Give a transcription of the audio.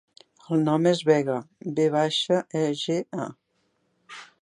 El nom és Vega: ve baixa, e, ge, a.